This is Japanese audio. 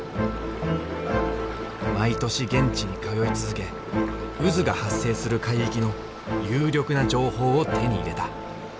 毎年現地に通い続け渦が発生する海域の有力な情報を手に入れた。